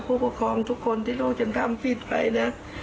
ผู้ปกครองทุกคนที่ลูกฉันทำผิดไปนะ